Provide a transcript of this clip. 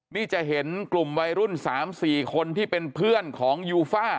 นี่จะเห็นกลุ่มวัยรุ่น๓๔คนที่เป็นเพื่อนของยูฟ่า